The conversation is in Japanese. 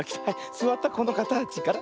すわったこのかたちから。